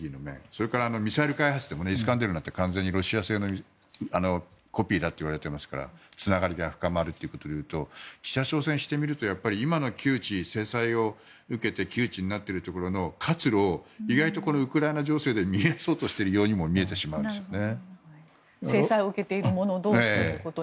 それからミサイル開発でもイスカンデルなんて完全にロシア製のコピーだといわれていますからつながりが深まるということでいうと北朝鮮にしてみるとやっぱり今の制裁を受けて窮地になっているところの活路を意外とこのウクライナ情勢で見えそうとしているようにも見えるんですよね。